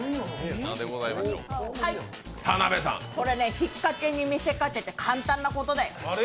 これね、引っかけに見せかけて簡単なことだよ。